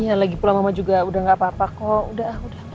iya lagi pulang mama juga udah gak apa apa kok udah